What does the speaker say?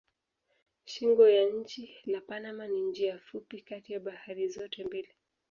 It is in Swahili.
Shingo ya nchi la Panama ni njia fupi kati ya bahari zote mbili.